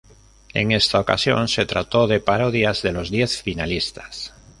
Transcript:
En esta ocasión se trató de parodias de los diez finalistas.